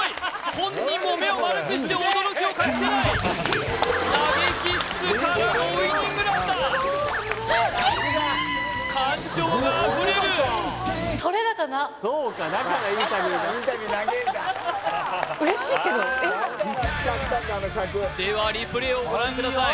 本人も目を丸くして驚きを隠せない投げキッスからのウイニングランだ感情があふれるそうかだからインタビューではＲＥＰＬＡＹをご覧ください